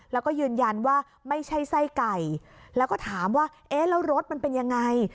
แล้วก็ยืนยันว่าไม่ใช่ไส้ไก่แล้วก็ถามว่าเอ๊ะแล้วรสมันเป็นยังไง